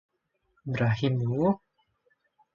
Brahim Who?